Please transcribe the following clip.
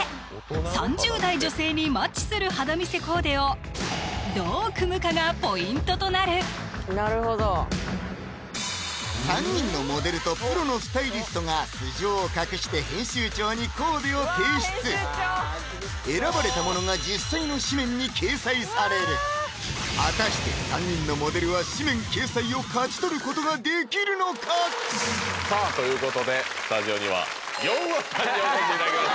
３０代女性にマッチする肌見せコーデをどう組むかがポイントとなるなるほど３人のモデルとプロのスタイリストが素性を隠して編集長にコーデを提出選ばれたものが実際の誌面に掲載される果たして３人のモデルは誌面掲載を勝ち取ることができるのか⁉さあということでスタジオにはヨンアさんにお越しいただきました